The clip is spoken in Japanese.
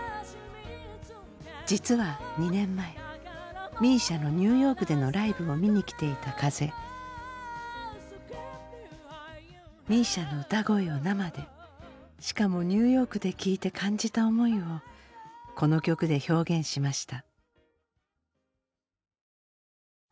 実は２年前ＭＩＳＩＡのニューヨークでのライブを見に来ていた風。ＭＩＳＩＡの歌声を生でしかもニューヨークで聴いて感じた思いをこの曲で表現しました。